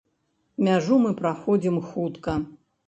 Мяжу мы праходзім хутка.